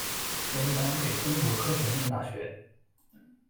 编制单位中国科学院大学